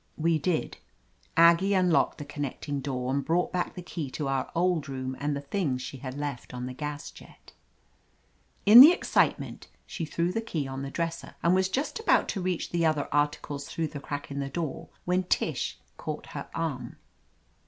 We did. Aggie unlocked the connecting door and brought back the key to our old room and the things she had left on the gas jet. In the excitement she threw the key on the dresser and was just about to reach the other articles through the crack in the door when Tish caught her arm.